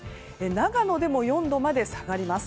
長野でも４度まで下がります。